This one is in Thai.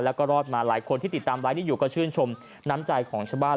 แล้วก็รอดมาหลายคนที่ติดตามไลฟ์นี้อยู่ก็ชื่นชมน้ำใจของชาวบ้าน